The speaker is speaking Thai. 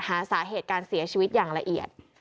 หาสาเหตุการเสียชีวิตอย่างละเอียด